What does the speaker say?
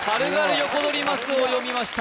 ヨコドリマスを読みました